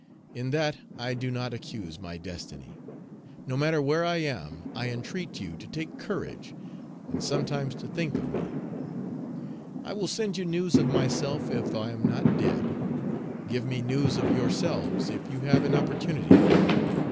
In that I do not accuse my destiny. No matter where I am, I entreat you Page 237 to take courage, and sometimes to think of me. I will send you news of myself if I am not dead; give me news of yourselves if you have an opportunity.